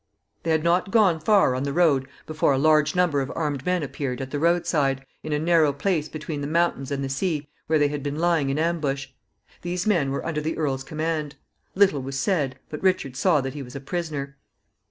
They had not gone far on the road before a large number of armed men appeared at the road side, in a narrow place between the mountains and the sea, where they had been lying in ambush. These men were under the earl's command. Little was said, but Richard saw that he was a prisoner.